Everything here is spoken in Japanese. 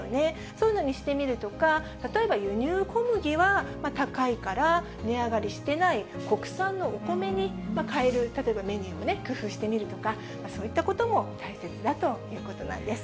そういうのにしてみるとか、例えば輸入小麦は高いから、値上がりしてない国産のお米に変える、例えばメニューを工夫してみるとか、そういったことも大切だということなんです。